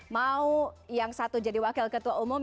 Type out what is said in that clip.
mau yang satu jadi wakil ketua umum